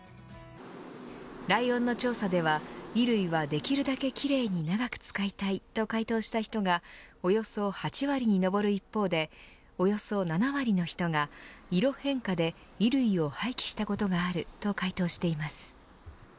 ライオンの調査では衣類はできるだけきれいに長く使いたいと回答した人がおよそ８割に上る一方でおよそ７割の人が色変化で衣類を廃棄したことがあると回答しています。